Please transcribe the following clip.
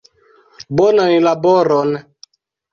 Bonan laboron!